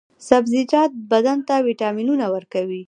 سبزیجات بدن ته ویټامینونه ورکوي.